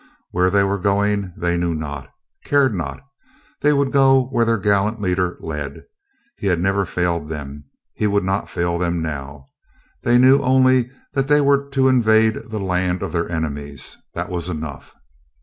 Where they were going they knew not, cared not; they would go where their gallant leader led. He had never failed them, he would not fail them now. They knew only that they were to invade the land of their enemies; that was enough.